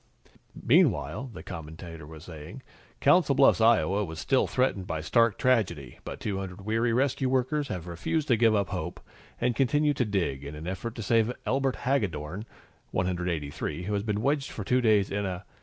"Meanwhile," the commentator was saying, "Council Bluffs, Iowa, was still threatened by stark tragedy. But 200 weary rescue workers have refused to give up hope, and continue to dig in an effort to save Elbert Haggedorn, 183, who has been wedged for two days in a